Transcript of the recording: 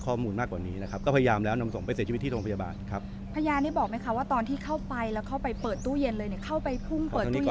ก็เป็นที่น่าเสียดายเหมือนกัน